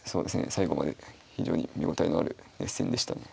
最後まで非常に見応えのある熱戦でしたね。